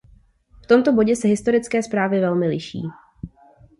V tomto bodě se historické zprávy velmi liší.